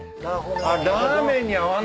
あっラーメンに合わない。